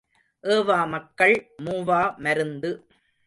ஏவா மக்கள் மூவா மருந்து.